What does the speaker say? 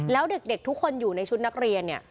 แล้วเด็กทุกคนอยู่ในชุดนักเรียนเนี่ย